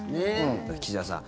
岸田さん